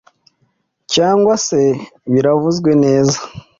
cyangwa se bivuzwe neza,